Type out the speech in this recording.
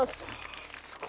すごい。